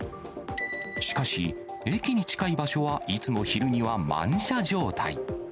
しかし、駅に近い場所はいつも昼には満車状態。